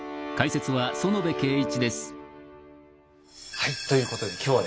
はいということで今日はですね